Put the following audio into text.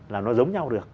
là nó giống nhau được